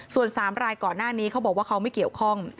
ส่วน๓รายก่อนหน้านี้เขาบอกว่าเขาไม่เกี่ยวข้อง